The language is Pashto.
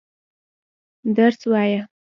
درس وايه.